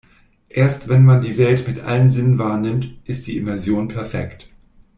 Erst wenn man die Welt mit allen Sinnen wahrnimmt, ist die Immersion perfekt.